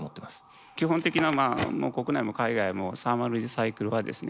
基本的なまあ国内も海外もサーマルリサイクルはですね